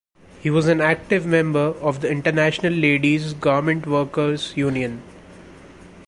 He was an active member of the International Ladies' Garment Workers Union.